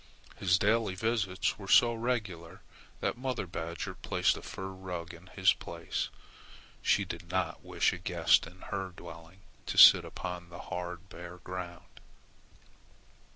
His daily visits were so regular that mother badger placed a fur rug in his place. She did not wish a guest in her dwelling to sit upon the bare hard ground.